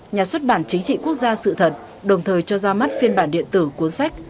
nhà xuất bản chính trị quốc gia sự thật đồng thời cho ra mắt phiên bản điện tử cuốn sách